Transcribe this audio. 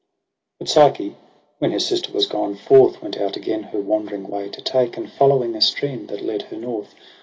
But Psyche, when her sister was gone forth. Went out again her wandering Way to take : And following a stream that led her north.